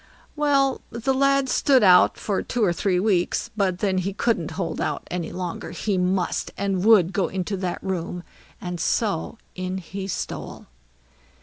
Well, the lad stood out for two or three weeks, but then he couldn't holdout any longer; he must and would go into that room, and so in he stole.